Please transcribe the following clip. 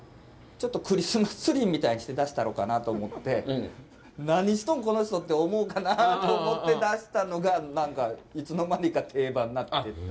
クリスマスツリーみたいにして出したろうかなあと思って何しとん、この人！？って思うかなと思って出したのがいつの間にか定番なってった。